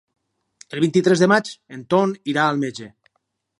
El vint-i-tres de maig en Ton irà al metge.